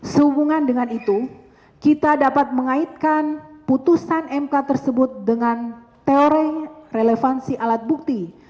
sehubungan dengan itu kita dapat mengaitkan putusan mk tersebut dengan teori relevansi alat bukti